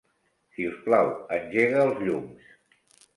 Si us plau, engega els llums.